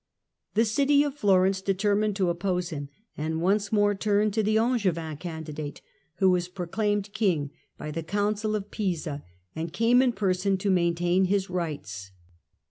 The City of Florence determined to oppose him, and once more turned to the Angevin candidate, who was proclaimed King by the Council of Battle of Pisa, and came in person to maintain his rights.